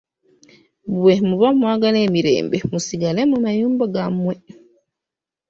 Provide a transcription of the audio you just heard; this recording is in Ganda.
Bwe muba mwagala emirembe musigale mu mayumba gammwe.